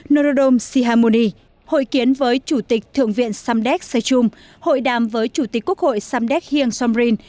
norodom sihamuni hội kiến với chủ tịch thượng viện samdek sechung hội đàm với chủ tịch quốc hội samdek heng samrin